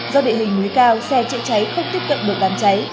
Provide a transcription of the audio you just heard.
do địa hình núi cao xe chữa cháy không tiếp cận được đám cháy